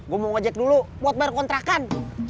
gue mau ngejek dulu buat bayar kontrakan